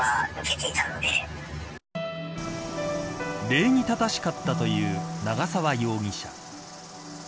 礼儀正しかったという長沢容疑者。